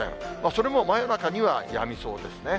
それも真夜中にはやみそうですね。